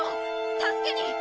助けに。